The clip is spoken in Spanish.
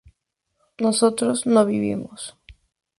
nosotros no vivimos